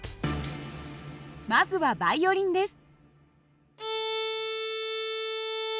まずはバイオンリンです。